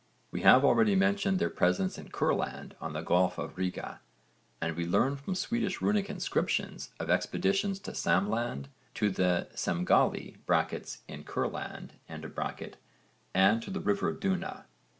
We have already mentioned their presence in Kurland on the Gulf of Riga, and we learn from Swedish runic inscriptions of expeditions to Samland, to the Semgalli (in Kurland) and to the river Duna.